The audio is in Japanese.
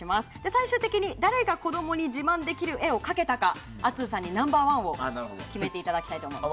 最終的に誰が子供に自慢できる絵を描けたかアッツーさんにナンバー１を決めていただきたいと思います。